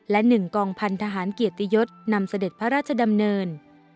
และ๑กองพันธหารเกียรติยศนำเสด็จพระราชดำเนิน